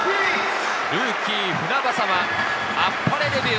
ルーキー・船迫、あっぱれデビュー。